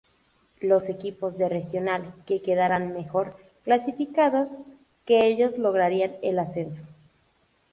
Los equipos de Regional que quedaran mejor clasificados que ellos lograrían el ascenso.